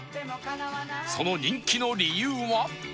その人気の理由は？